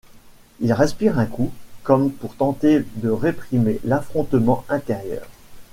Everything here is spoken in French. Il respire un coup, comme pour tenter de réprimer l’affrontement intérieur.